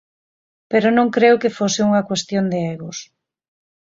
Pero non creo que fose unha cuestión de egos.